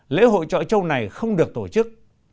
lễ hội trọi châu này không được tổ chức